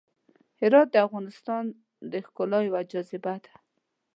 هرات د افغانستان د ښکلا یوه جاذبه ده.